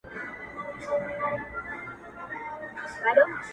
o زړه مي دي خاوري سي ډبره دى زړگى نـه دی ـ